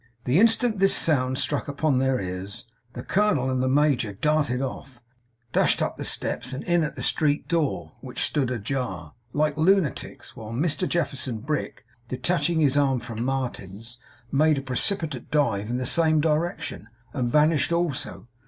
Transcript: The instant this sound struck upon their ears, the colonel and the major darted off, dashed up the steps and in at the street door (which stood ajar) like lunatics; while Mr Jefferson Brick, detaching his arm from Martin's, made a precipitate dive in the same direction, and vanished also.